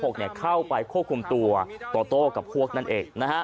เข้าไปควบคุมตัวโตโต้กับพวกนั่นเอง